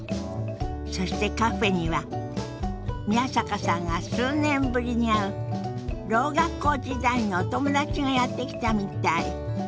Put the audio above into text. そしてカフェには宮坂さんが数年ぶりに会うろう学校時代のお友達がやって来たみたい。